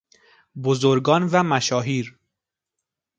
بزرگان و مشاهیر